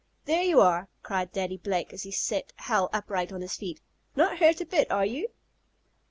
"There you are!" cried Daddy Blake, as he set Hal upright on his feet. "Not hurt a bit; are you?"